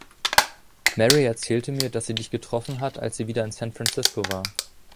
Mary erzählte mir, dass sie dich getroffen hat, als sie wieder in San Francisco war.